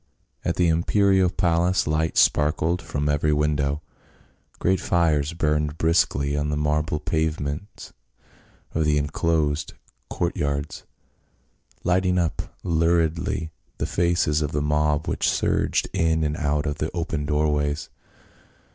At the imperial palace lights sparkled from eveiy window. Great fires burned briskly on the marble pavements of the inclosed court yards, lighting up luridly the faces of the mob which surged in and out of the open doorways.